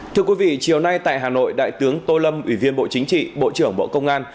thưa quý vị chiều nay tại hà nội đại tướng tô lâm ủy viên bộ chính trị bộ trưởng bộ công an